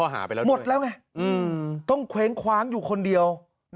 หมดแล้วไงต้องเคว้งคว้างอยู่คนเดียว